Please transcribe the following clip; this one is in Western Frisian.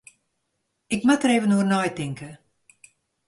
Ik moat der even oer neitinke.